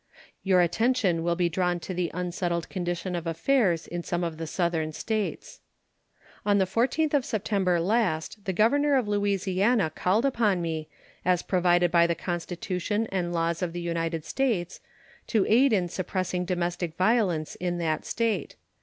Your attention will be drawn to the unsettled condition of affairs in some of the Southern States. On the 14th of September last the governor of Louisiana called upon me, as provided by the Constitution and laws of the United States, to aid in suppressing domestic violence in that State.